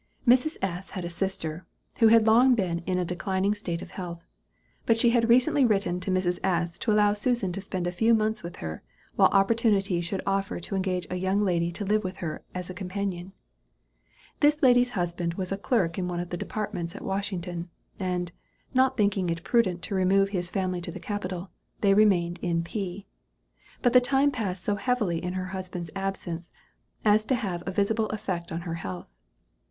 Mrs. S. had a sister, who had long been in a declining state of health; and she had but recently written to Mrs. S. to allow Susan to spend a few months with her, while opportunity should offer to engage a young lady to live with her as a companion. This lady's husband was a clerk in one of the departments at Washington; and, not thinking it prudent to remove his family to the capital, they remained in P.; but the time passed so heavily in her husband's absence, as to have a visible effect on her health.